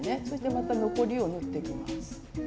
そしてまた残りを縫っていきます。